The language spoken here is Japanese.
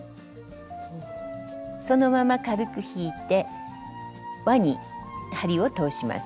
そのまま軽く引いてわに針を通します。